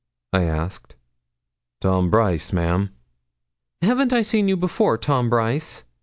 I asked. 'Tom Brice, ma'am.' 'Haven't I seen you before, Tom Brice?'